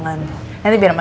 shera sambara dulu